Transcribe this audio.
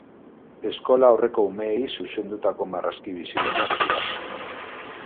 Eskola-aurreko umeei zuzendutako marrazki bizidunak dira.